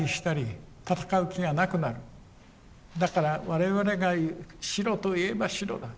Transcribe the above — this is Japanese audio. だから我々が白と言えば白だ。